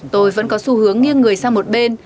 tôi vẫn có xu hướng nghiêng người sang một bên